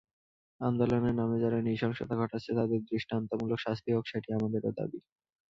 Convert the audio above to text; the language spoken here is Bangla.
আন্দোলনের নামে যারা নৃশংসতা ঘটাচ্ছে, তাদের দৃষ্টান্তমূলক শাস্তি হোক, সেটি আমাদেরও দাবি।